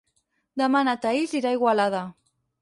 Demà na Thaís irà a Igualada.